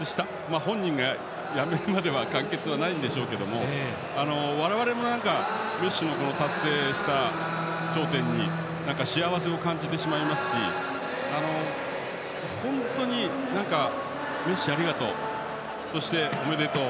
本人がやめるまでは完結はしないんでしょうけども我々も、メッシの達成した頂点に幸せを感じてしまいますし本当に、メッシありがとうそして、おめでとう。